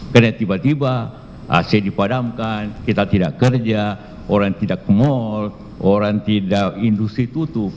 karena tiba tiba ac dipadamkan kita tidak kerja orang tidak kemol orang tidak industri tutup